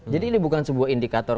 jadi ini bukan sebuah indikator